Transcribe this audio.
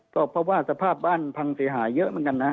ก็เพราะว่าสภาพบ้านพังเสียหายเยอะเหมือนกันนะฮะ